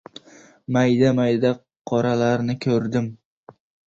Mayda-mayda qoralarni ko‘rdim.